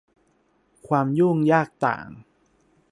ความยุ่งยากต่าง